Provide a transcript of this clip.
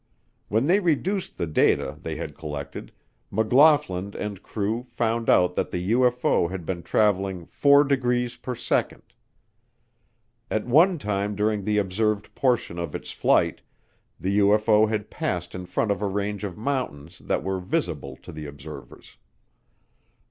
When they reduced the data they had collected, McLaughlin and crew found out that the UFO had been traveling 4 degrees per second. At one time during the observed portion of its flight, the UFO had passed in front of a range of mountains that were visible to the observers.